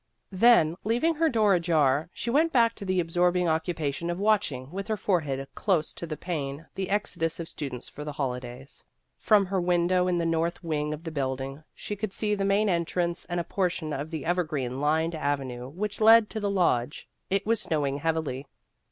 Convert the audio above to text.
Then, leaving her door ajar, she went back to the absorbing occupation of watch ing with her forehead close to the pane the exodus of students for the holidays. From her window in the north wing of the building, she could see the main en trance and a portion of the evergreen lined avenue which led to the lodge. It was snowing heavily.